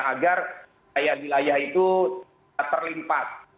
agar wilayah wilayah itu terlimpas